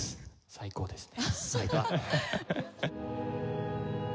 最高ですね。